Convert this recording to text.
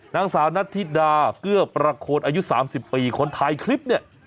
นางสาวนัทธิดาเกื้อประโคนอายุ๓๐ปีคนถ่ายคลิปเนี่ย